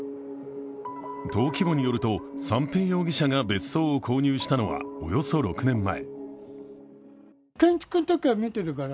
登記簿によると三瓶容疑者が別荘を購入したのは、およそ６年前。